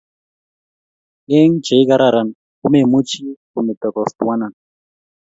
Eng che ikararan komemuchi kometo kostuanan